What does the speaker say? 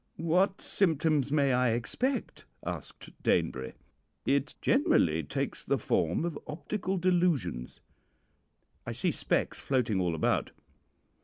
"'What symptoms may I expect?' asked Danebury. "'It generally takes the form of optical delusions.' "'I see specks floating all about.'